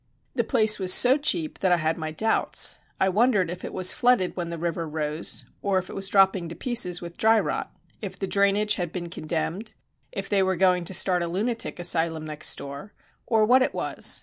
The place was so cheap that I had my doubts. I wondered if it was flooded when the river rose, if it was dropping to pieces with dry rot, if the drainage had been condemned, if they were going to start a lunatic asylum next door, or what it was.